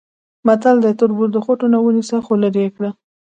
متل دی: تربور د خوټونه ونیسه خولرې یې کړه.